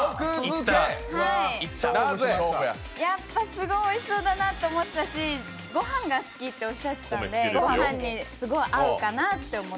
すごいおいしそうだなと思ったし、御飯が好きっておっしゃってたんで、御飯にすごい合うかなって。